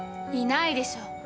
いないでしょ。